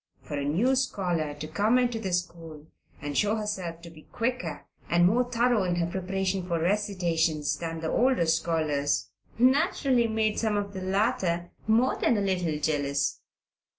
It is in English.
For a new scholar to come into the school and show herself to be quicker and more thorough in her preparation for recitations than the older scholars naturally made some of the latter more than a little jealous.